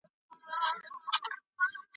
ایا دا کلتوري ارزښت ستاسو لپاره مهم دی؟